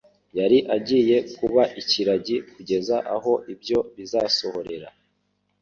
yari agiye kuba ikiragi kugeza aho ibyo bizasohorera.